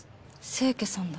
清家さんだ。